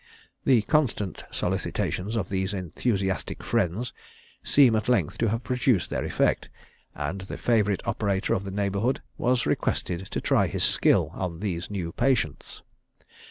The constant solicitations of these enthusiastic friends seem at length to have produced their effect, and the favourite operator of the neighbourhood was requested to try his skill on these new patients.